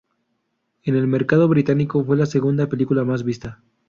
En el mercado británico fue la segunda película más vista.